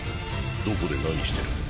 どこで何してる？